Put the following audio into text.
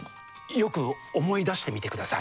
よく思い出してみてください。